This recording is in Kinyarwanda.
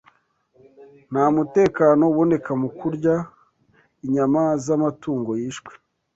Nta mutekano uboneka mu kurya inyama z’amatungo yishwe,